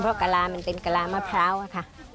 เพราะกะลามันเป็นกะลามะพร้าวค่ะ